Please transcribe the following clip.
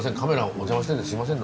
お邪魔しててすいません